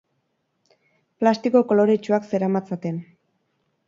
Plastiko koloretsuak zeramatzaten.